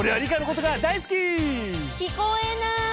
えっ聞こえない！